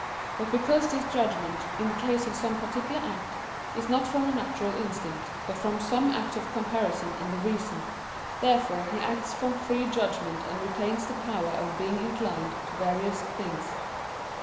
But because this judgment, in the case of some particular act, is not from a natural instinct, but from some act of comparison in the reason, therefore he acts from free judgment and retains the power of being inclined to various things.